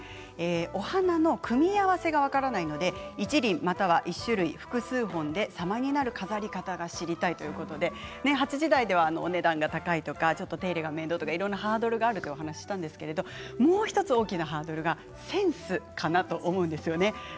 お花の組み合わせが分からないので一輪または１種類複数本で様になる飾り方が知りたいていうことで８時台ではお値段が高いとか手入れが面倒とかいろいろなハードルをご紹介したんですが、もう１つのハードルがセンスかなと思うんですね。